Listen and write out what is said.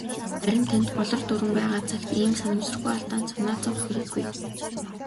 Харин танд "Болор дуран" байгаа цагт ийм санамсаргүй алдаанд санаа зовох хэрэггүй.